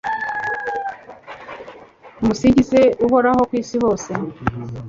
Nimusingize Uhoraho ku isi hose